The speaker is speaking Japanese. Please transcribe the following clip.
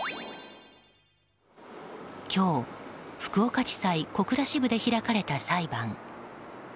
今日福岡地裁小倉支部で開かれた裁判。